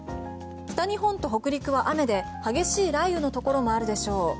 北日本と北陸は雨で激しい雷雨のところもあるでしょう。